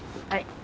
はい。